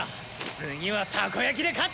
次はたこやきで勝つ！